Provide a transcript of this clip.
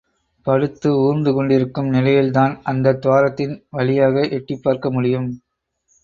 படுத்து ஊர்ந்துகொண்டிருக்கும் நிலையில்தான் அந்தத் துவாரத்தின் வழியாக எட்டிப் பார்க்க முடியும்.